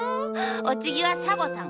おつぎはサボさん。